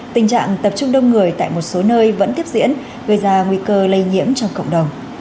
tình trạng tập trung đông người tại một số nơi vẫn tiếp diễn gây ra nguy cơ lây nhiễm trong cộng đồng